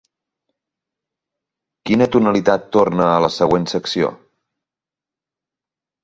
Quina tonalitat torna a la següent secció?